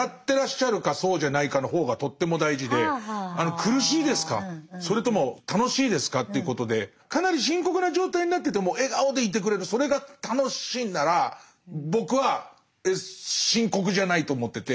苦しいですかそれとも楽しいですかっていうことでかなり深刻な状態になってても笑顔でいてくれるそれが楽しいんなら僕は深刻じゃないと思ってて。